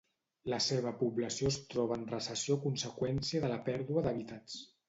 La seva població es troba en recessió a conseqüència de la pèrdua d'hàbitats.